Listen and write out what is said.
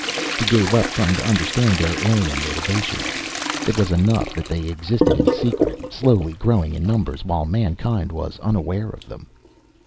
He gave up trying to understand their alien motivations. It was enough that they existed in secret, slowly growing in numbers while mankind was unaware of them.